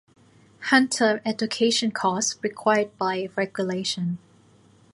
Hunter education course required by regulation.